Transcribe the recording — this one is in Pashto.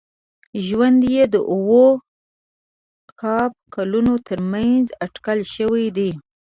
ژوند یې د اوه ق کلونو تر منځ اټکل شوی دی.